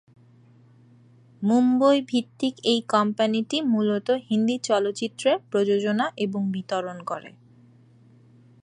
মুম্বই ভিত্তিক এই কোম্পানিটি মূলত হিন্দি চলচ্চিত্রের প্রযোজনা এবং বিতরণ করে।